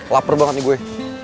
laper banget nih gue